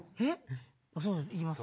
いきます。